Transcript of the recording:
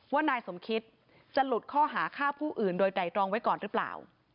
ว่านายสมคิดจะหลุดข้อหาฆ่าผู้อื่นโดยไตรรองไว้ก่อนหรือเปล่า